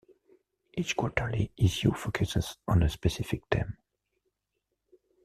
Each quarterly issue focuses on a specific theme.